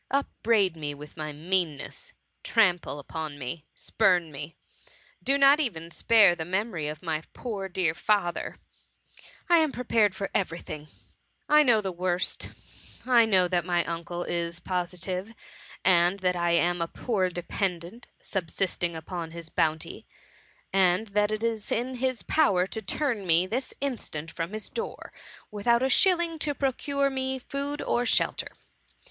Upbraid me with my meanness — trample upon me — spurn me —do not even spare the memory of my poor dear father ;— I am prepared for every thing ; I know the worst ; I know that my uncle is posi tive, and that I am a poor dependant, subsisting upon his bounty, and that it is in his power to turn me this instant from his door, without a shilling to procure me food or shelter.